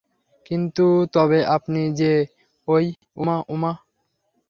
কিন্তু তবে আপনি যে ওই উমা– উমা!